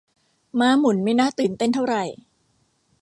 ม้าหมุนไม่น่าตื่นเต้นเท่าไหร่